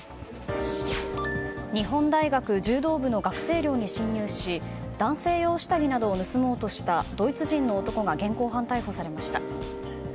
日本大学柔道部の学生寮に侵入し男性用下着などを盗もうとしたドイツ人の男が現行犯逮捕されました。